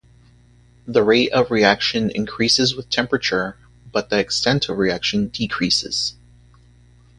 The rate of reaction increases with temperature, but the extent of reaction decreases.